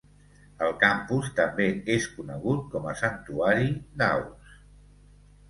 El campus també es conegut com a santuari d'aus.